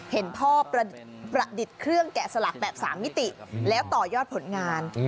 เห็นพ่อประดิษฐ์เครื่องแกะสลักแบบ๓มิติแล้วต่อยอดผลงาน